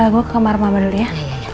gue ke kamar mama dulu ya